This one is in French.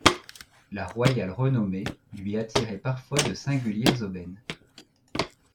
La royale renommée lui attirait parfois de singulières aubaines.